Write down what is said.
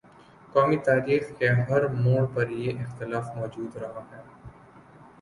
قومی تاریخ کے ہر موڑ پر یہ اختلاف مو جود رہا ہے۔